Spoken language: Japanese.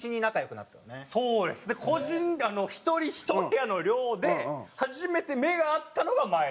個人１人１部屋の寮で初めて目が合ったのが前田で。